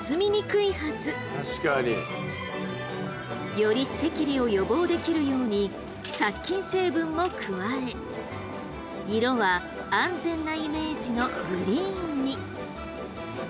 より赤痢を予防できるように殺菌成分も加え色は安全なイメージのグリーンに。